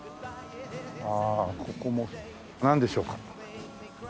ああここもなんでしょうか？